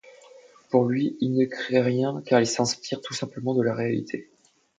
Pour lui, ils ne créent rien car ils s'inspirent tout simplement de la réalité.